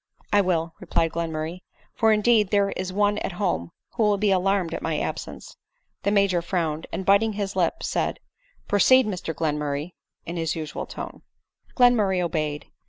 " 1 will," replied Glenmurray ;" for indeed there is one at home who will be alarmed at my absence." 4 The Major frowned; and, biting his lip, said, " Pro ceed, Mr Glenmurray," in his usual tone. Glenmurray obeyed.